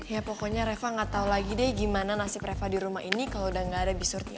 ya pokoknya reva gak tau lagi deh gimana nasib reva di rumah ini kalau udah gak ada bibi surti